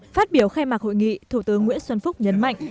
phát biểu khai mạc hội nghị thủ tướng nguyễn xuân phúc nhấn mạnh